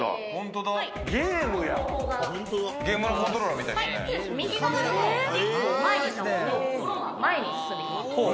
ゲームのコントローラーみたいですね。